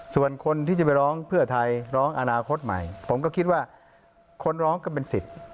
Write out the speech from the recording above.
ส่วนคนที่จะไปร้องเพื่อไทยร้องอนาคตใหม่ผมก็คิดว่าคนร้องก็เป็นสิทธิ์